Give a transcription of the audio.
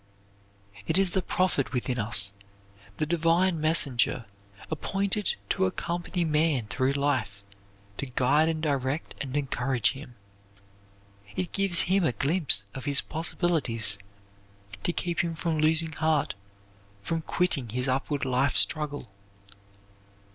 It is the prophet within us, the divine messenger appointed to accompany man through life to guide and direct and encourage him. It gives him a glimpse of his possibilities to keep him from losing heart, from quitting his upward life struggle.